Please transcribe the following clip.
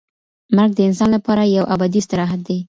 مرګ د انسان لپاره یو ابدي استراحت دی.